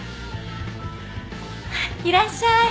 いらっしゃい。